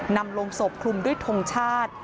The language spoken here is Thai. นำลงศพคลุมด้วยทงชาติ